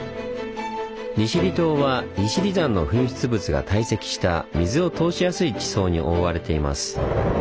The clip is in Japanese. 利尻島は利尻山の噴出物が堆積した水を通しやすい地層に覆われています。